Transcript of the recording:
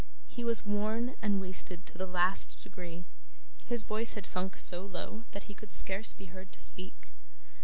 He was worn and wasted to the last degree; his voice had sunk so low, that he could scarce be heard to speak.